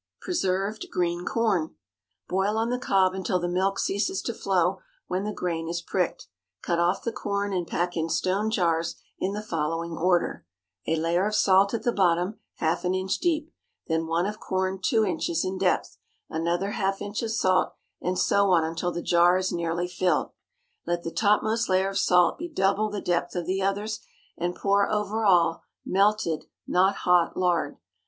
PRESERVED GREEN CORN. ✠ Boil on the cob until the milk ceases to flow when the grain is pricked. Cut off the corn and pack in stone jars in the following order:—A layer of salt at the bottom, half an inch deep. Then one of corn two inches in depth, another half inch of salt, and so on until the jar is nearly filled. Let the topmost layer of salt be double the depth of the others, and pour over all melted—not hot—lard.